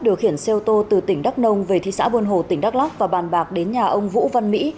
điều khiển xe ô tô từ tỉnh đắk nông về thị xã buôn hồ tỉnh đắk lắc và bàn bạc đến nhà ông vũ văn mỹ